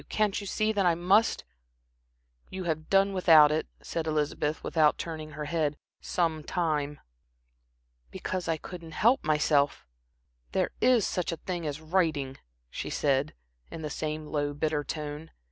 Can't you see that I must?" "You have done without it," said Elizabeth, without turning her head, "some time." "Because I couldn't help myself." "There is such a thing as writing," she said, in the same low, bitter tone.